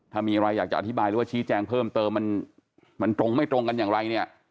ถ้ามีอะไรอยากจะอธิบายหรือว่าชี้แจงเพิ่มเติมมันตรงไม่ตรงกันอย่างไรเนี่ย